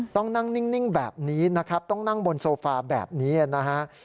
ต้องนั่งนิ่งแบบนี้นะครับต้องนั่งบนโซฟาแบบนี้นะฮะ